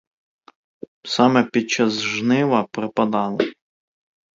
Саме під час жнива припадало.